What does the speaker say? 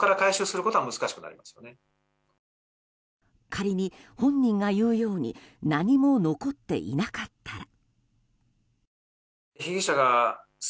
仮に、本人が言うように何も残っていなかったら。